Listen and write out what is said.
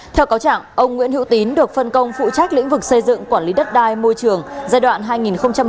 theo cáo chẳng ông nguyễn hữu tín được phân công phụ trách lĩnh vực xây dựng quản lý đất đai môi trường giai đoạn hai nghìn một mươi một hai nghìn một mươi sáu